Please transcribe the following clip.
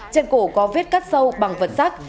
chân cổ có vết cắt sâu bằng vật sắc